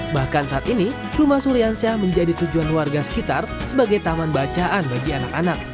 bahkan saat ini rumah suriansyah menjadi tujuan warga sekitar sebagai taman bacaan bagi anak anak